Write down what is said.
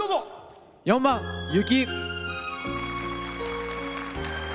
４番「雪」。